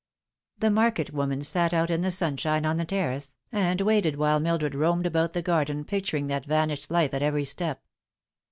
The market woman sat out in the sunshine on the terrace, and waited while Mildred roamed about the garden, picturing that vanished life at every step.